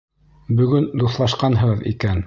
Бөгөн дуҫлашҡанһығыҙ икән.